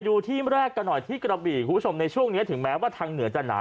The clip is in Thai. ที่แรกกันหน่อยที่กระบี่คุณผู้ชมในช่วงนี้ถึงแม้ว่าทางเหนือจะหนา